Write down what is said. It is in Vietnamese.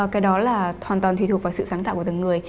cái đó là hoàn toàn tùy thuộc vào sự sáng tạo của từng người